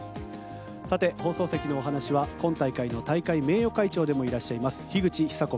さて、放送席のお話は今大会の大会名誉会長でもいらっしゃいます樋口久子